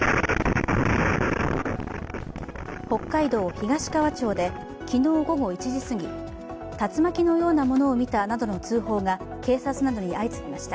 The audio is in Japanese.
北海道東川町で昨日午後１時すぎ竜巻のようなものを見たなどの通報が警察などに相次ぎました。